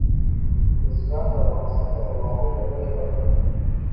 بزګان د افغانستان د بڼوالۍ یوه لویه برخه ده.